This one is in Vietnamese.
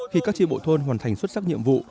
khi các tri bộ thôn hoàn thành xuất sắc nhiệm vụ